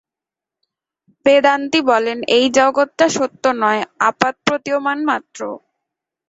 বেদান্তী বলেন, এই জগৎটা সত্য নয়, আপাতপ্রতীয়মান মাত্র।